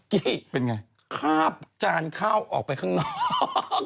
ข้าบจานข้าวออกไปข้างนอก